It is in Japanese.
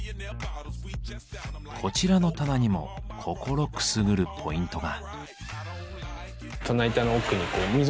こちらの棚にも心くすぐるポイントが。